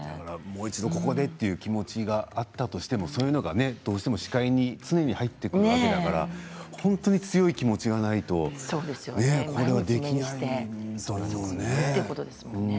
もう一度ここでという気持ちがあったとしてもどうしてもそういうのが視界に常に入ってくるわけだから本当に強い気持ちがないとこれはできないことだろうね。